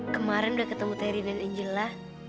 kemarin udah ketemu terry dan angela